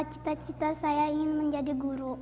cita cita saya ingin menjadi guru